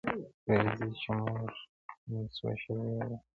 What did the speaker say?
پرېږدی چي موږ هم څو شېبې ووینو٫